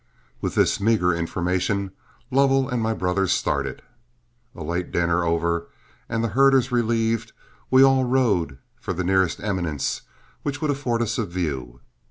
With this meagre information Lovell and my brother started. A late dinner over and the herders relieved, we all rode for the nearest eminence which would afford us a view.